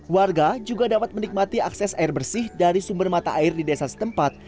warga juga dapat menikmati akses air bersih dari sumber mata air di desa setempat